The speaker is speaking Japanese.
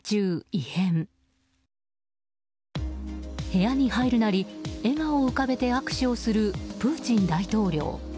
部屋に入るなり笑顔を浮かべて握手をするプーチン大統領。